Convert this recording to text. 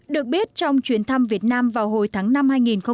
được biết trong chuyến thăm việt nam vào hồi tháng năm năm hai nghìn một mươi sáu